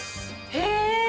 へえ！